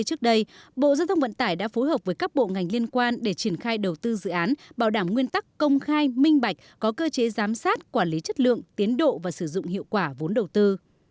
trước đây bộ giao thông vận tải đã phối hợp với các bộ ngành liên quan để triển khai đầu tư dự án bảo đảm nguyên tắc công khai minh bạch có cơ chế giám sát quản lý chất lượng tiến độ và sử dụng hiệu quả vốn đầu tư